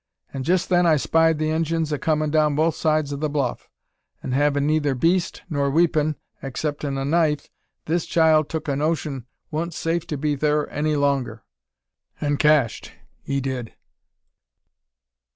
Jest then I spied the Injuns a comin' down both sides o' the bluff; an' havin' neyther beast nor weepun, exceptin' a knife, this child tuk a notion 'twa'n't safe to be thur any longer, an' cached; he did."